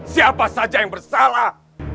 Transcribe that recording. siapa saja yang bersalah